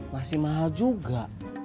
masih mahal juga